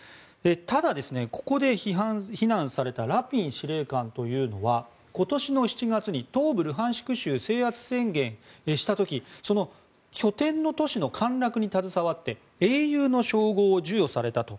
ただ、ここで非難されたラピン司令官というのは今年の７月に東部のルハンシク州を制圧宣言した時その拠点の都市の陥落に携わって英雄の称号を授与されたと。